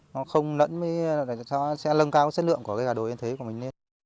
nó không lẫn với nó sẽ lân cao chất lượng của cái gà đồi yên thế của mình